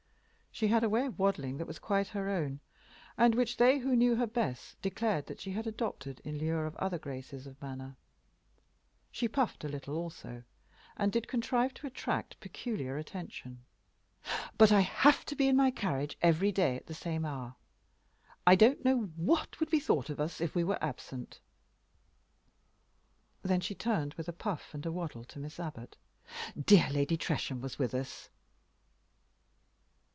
She had a way of waddling that was quite her own, and which they who knew her best declared that she had adopted in lieu of other graces of manner. She puffed a little also, and did contrive to attract peculiar attention. "But I have to be in my carriage every day at the same hour. I don't know what would be thought of us if we were absent." Then she turned, with a puff and a waddle, to Miss Abbot. "Dear Lady Tresham was with us."